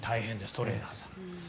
トレーナーさん。